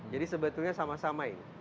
jadi sebetulnya sama samain